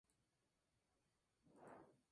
Sus ojos son de color rojo intenso.